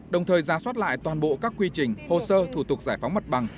đồng thời ra soát lại toàn bộ các quy trình hồ sơ thủ tục giải phóng mặt bằng